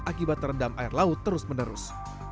akibat terendam air laut terus menerus